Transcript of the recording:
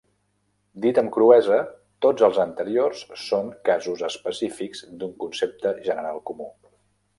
Dit amb cruesa, tots els anteriors són casos específics d'un concepte general comú.